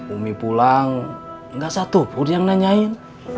umi pulang nggak satu pun yang nanyain